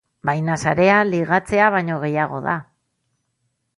Baina sarea ligatzea baino gehiago da.